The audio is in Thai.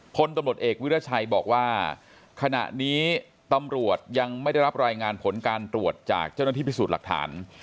พลตำรวจเอกวิราชัยบอกว่าขณะนี้ตำรวจยังไม่ได้รับรายงานผลการตรวจจากเจ้าหน้าที่พิสูจน์หลักฐาน